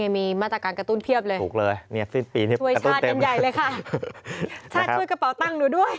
มีมาตรการกระตุ้นเพียบเลยช่วยชาติกันใหญ่เลยค่ะชาติช่วยกระเป๋าตั้งหนูด้วย